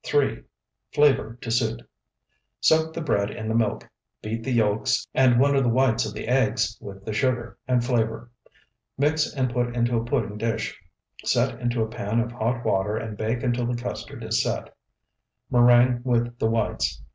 Flavor to suit. Soak the bread in the milk; beat the yolks and one of the whites of the eggs with the sugar, and flavor. Mix and put into a pudding dish. Set into a pan of hot water and bake until the custard is set. Meringue with the whites.